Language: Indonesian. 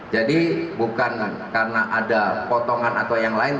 jadi bukan karena ada potongan atau yang lain